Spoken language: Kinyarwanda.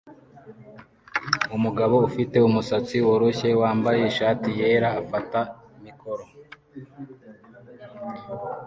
Umugabo ufite umusatsi woroshye wambaye ishati yera afata mikoro